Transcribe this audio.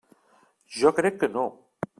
Jo crec que no.